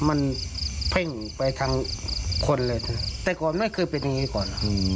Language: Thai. มันเพ่งไปทั้งคนเลยแต่ก่อนไม่เคยเป็นอย่างนี้ก่อน